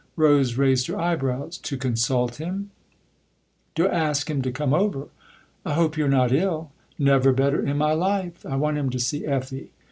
Rose raised her eyebrows. "To consult him ?" THE OTHER HOUSE 207 " To ask him to come over." " I hope you're not ill." " Never better in my life. I want him to see Effie."